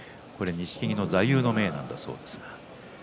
錦木の座右の銘だそうです。